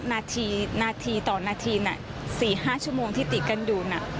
นาทีนาทีต่อนาที๔๕ชั่วโมงที่ติดกันอยู่น่ะ